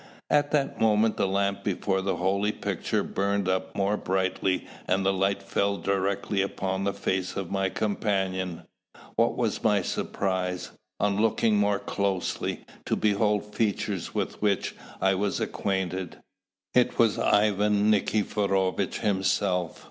At that moment the lamp before the holy picture burned up more brightly and the light fell directly upon the face of my companion. What was my surprise, on looking more closely, to behold features with which I was acquainted! It was Ivan Nikiforovitch himself!